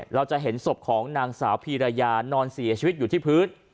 เราจะเห็นศพของนางสาวพีรยานอนเสียชีวิตอยู่ที่พื้น